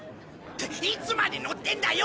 いつまで乗ってんだよ！